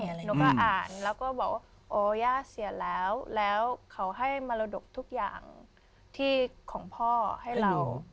หนูก็อ่านแล้วก็บอกว่าโอ้ย่าเสียแล้วแล้วเขาให้มรดกทุกอย่างที่ของพ่อให้เรา